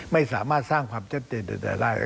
ไม่สามารถสร้างความชัดเจนใดได้